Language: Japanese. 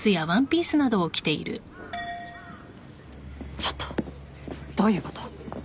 ちょっとどういうこと？